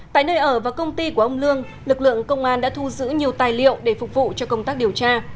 tại nơi ở và công ty của ông lương lực lượng công an đã thu giữ nhiều tài liệu để phục vụ cho công tác điều tra